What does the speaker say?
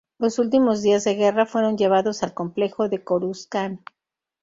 Los últimos días de guerra fueron llevados al complejo a Coruscant.